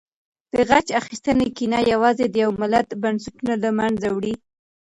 د غچ اخیستنې کینه یوازې د یو ملت بنسټونه له منځه وړي.